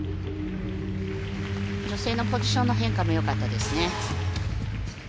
女性のポジションの変化もよかったですね。